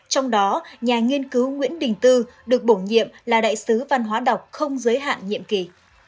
trong đó nhà nghiên cứu nguyễn đình tư được bổ nhiệm là đại sứ văn hóa đọc không giới hạn nhiệm kỳ